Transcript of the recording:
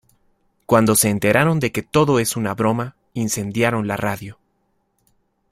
Cuando se enteraron de que todo es una broma, incendiaron la Radio.